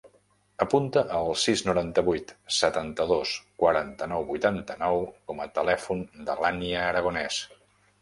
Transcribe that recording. Apunta el sis, noranta-vuit, setanta-dos, quaranta-nou, vuitanta-nou com a telèfon de l'Ànnia Aragones.